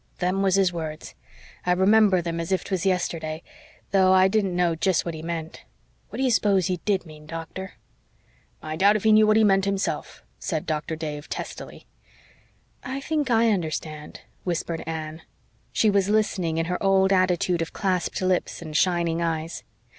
"Them was his words. I remember them as if 'twas yesterday, though I didn't know jest what he meant. What do you s'pose he DID mean, doctor?" "I doubt if he knew what he meant himself," said Doctor Dave testily. "I think I understand," whispered Anne. She was listening in her old attitude of clasped lips and shining eyes.